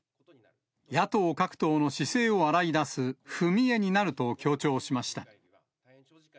野党各党の姿勢を洗い出す、踏み絵になると強調しました。